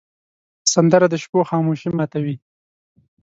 سندره د شپو خاموشي ماتوې